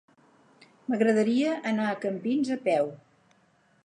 M'agradaria anar a Campins a peu.